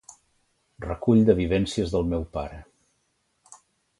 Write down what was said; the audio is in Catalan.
Recull de vivències del meu pare.